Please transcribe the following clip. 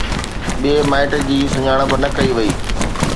ٻئي مائٽ جي سڃاڻپ نه ڪئي وئي